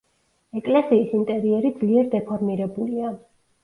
ეკლესიის ინტერიერი ძლიერ დეფორმირებულია.